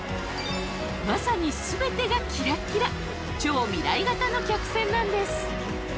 まさに全てがキラキラ超未来型の客船なんです